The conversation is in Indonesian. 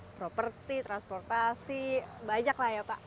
properti transportasi banyak lah ya pak